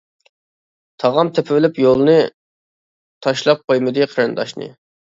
تاغام تېپىۋېلىپ يولىنى، تاشلاپ قويمىدى قېرىنداشنى.